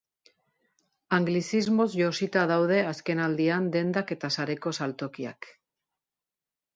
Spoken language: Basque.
Anglizismoz josita daude azkenaldian dendak eta sareko saltokiak.